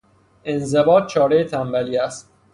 انضباط چارهی تنبلی است.